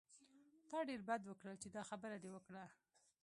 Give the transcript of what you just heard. تا ډېر بد وکړل چې دا خبره دې وکړه.